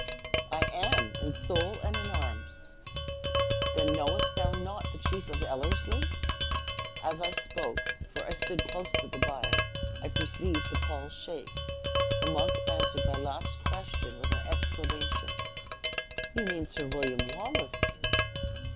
'I am, in soul and in arms.' 'Then knowest thou not the chief of Ellerslie?' As I spoke, for I stood close to the bier, I perceived the pall shake. The monk answered my last question with an exclamation 'You mean Sir William Wallace!'